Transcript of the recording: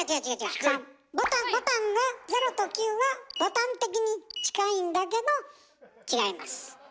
ボタンが０と９がボタン的に近いんだけど違います。